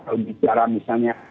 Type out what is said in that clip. kalau bicara misalnya